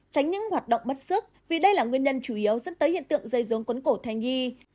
tránh những hoạt động mất sức vì đây là nguyên nhân chủ yếu dẫn tới hiện tượng dây rốn cuốn cổ thai nhi